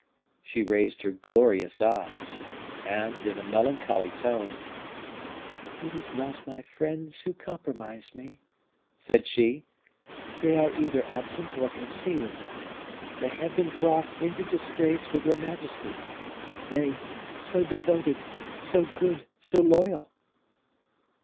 She raised her glorious eyes and, in a melancholy tone: "It is not my friends who compromise me," said she; "they are either absent or concealed; they have been brought into disgrace with your majesty; they, so devoted, so good, so loyal!"